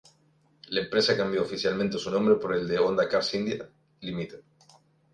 La empresa cambió oficialmente su nombre por el de Honda Cars India Ltd.